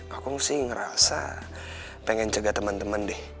aku sih ngerasa pengen cega temen temen deh